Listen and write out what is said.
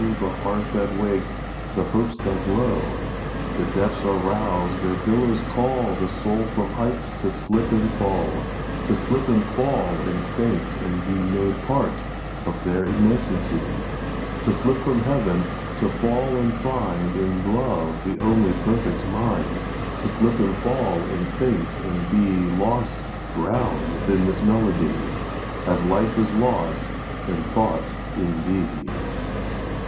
The heart that wakes, the hopes that glow! The depths are roused: their billows callThe soul from heights to slip and fall; To slip and fall and faint and beMade part of their immensity; To slip from Heaven; to fall and findIn love the only perfect mind; To slip and fall and faint and beLost, drowned within this melody, As life is lost and thought in thee.